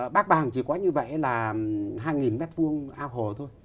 bác bàng chỉ có như vậy là hai m hai ao hồ thôi